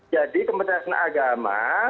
jadi kementerian agama